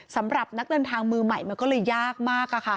สำหรับนักเดินทางมือใหม่มันก็เลยยากมาก